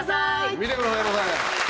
見てくださいませ。